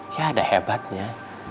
ya ada hebatnya